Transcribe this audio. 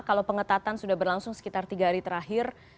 kalau pengetatan sudah berlangsung sekitar tiga hari terakhir